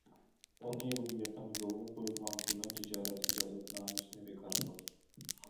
ئون يىلغا يېقىن يولغا قويۇلغان كۆمۈر تىجارەت ئىجازەتنامىسىنى بىكار قىلدى.